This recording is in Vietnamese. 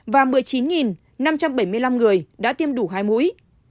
và một mươi chín năm trăm bảy mươi năm người đã tiêm đủ hai mũi